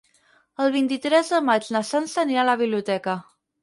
El vint-i-tres de maig na Sança anirà a la biblioteca.